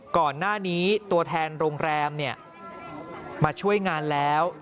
ก่อนหน้านี้ตัวแทนโรงแรมมาช่วยงานแล้ว